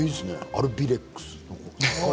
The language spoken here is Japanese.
アルビレックス？